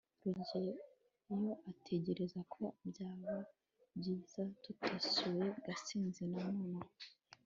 rugeyo atekereza ko byaba byiza tutasuye gashinzi nonaha